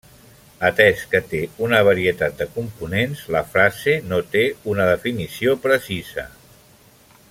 Atès que té una varietat de components, la frase no té una definició precisa.